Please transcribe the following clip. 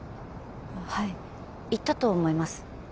はい行ったと思います